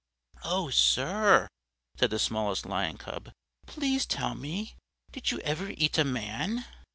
"Oh, sir," said the smallest Lion Cub, "please tell me, did you ever eat a man?"